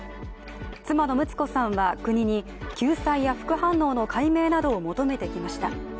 妻の睦子さんは国に救済や副反応の解明などを求めてきました。